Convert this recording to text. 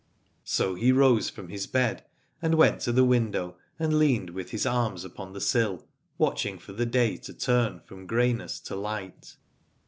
So he rose from his bed and went to the window and leaned with his arms upon the sill, watching for the day to turn from grey n ess to light.